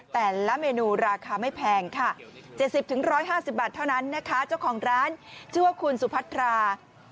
แต่ละเมนูราคาไม่แพงค่ะ๗๐๑๕๐บาทเท่านั้นนะคะเจ้าของร้านชื่อว่าคุณสุพัทรา